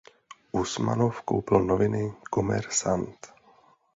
Usmanov koupil noviny Kommersant.